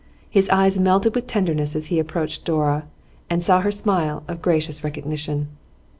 His eyes melted with tenderness as he approached Dora and saw her smile of gracious recognition.